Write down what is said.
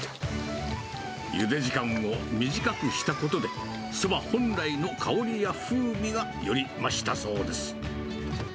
ゆで時間を短くしたことで、そば本来の香りや風味がより増したそうです。